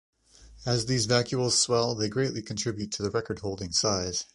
As these vacuoles swell, they greatly contribute to the record-holding size.